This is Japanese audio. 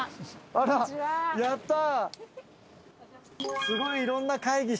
あらっやった！